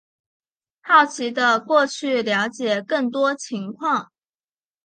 好奇的过去了解更多情况